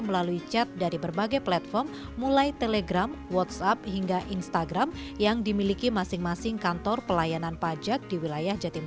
melalui chat dari berbagai platform mulai telegram whatsapp hingga instagram yang dimiliki masing masing kantor pelayanan pajak di wilayah jatim